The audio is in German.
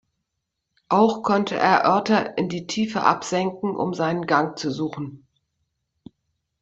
Auch konnte er Örter in die Tiefe absenken, um seinen Gang zu suchen.